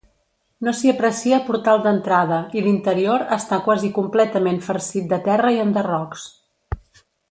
No s'hi aprecia portal d'entrada i l'interior està quasi completament farcit de terra i enderrocs.